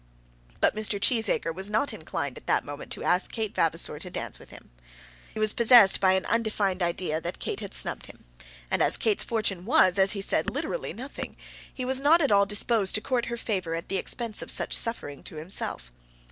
But Mr. Cheesacre was not inclined at that moment to ask Kate Vavasor to dance with him. He was possessed by an undefined idea that Kate had snubbed him, and as Kate's fortune was, as he said, literally nothing, he was not at all disposed to court her favour at the expense of such suffering to himself.